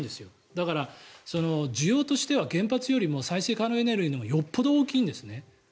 だから需要としては原発よりも再生可能エネルギーのほうがよっぽど大きいんですね。